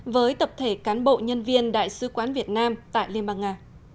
với tập thể cán bộ nhân viên đại sứ quán việt nam tại liên bang nga